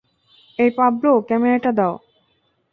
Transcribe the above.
এই পাবলো, ক্যামেরাটা দাও।